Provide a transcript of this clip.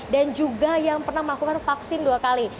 dan juga yang pernah melakukan vaksin dua kali